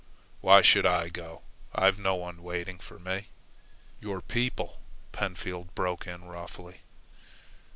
"Why should I go? I've no one waiting for me " "Your people," Pentfield broke in roughly.